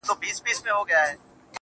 خو زه به بیا هم تر لمني انسان و نه نیسم.